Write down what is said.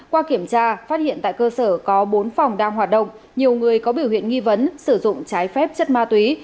qua kiểm tra phát hiện tại cơ sở có bốn phòng đang hoạt động nhiều người có biểu hiện nghi vấn sử dụng trái phép chất ma túy